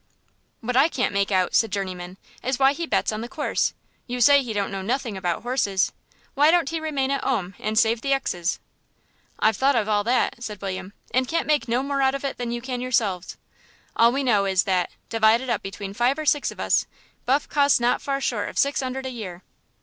"What I can't make out," said Journeyman, "is why he bets on the course. You say he don't know nothing about horses. Why don't he remain at 'ome and save the exes?" "I've thought of all that," said William, "and can't make no more out of it than you can yerselves. All we know is that, divided up between five or six of us, Buff costs not far short of six 'undred a year."